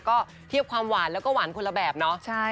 ก็เทียบความหวานแล้วก็หวานคนละแบบเนาะ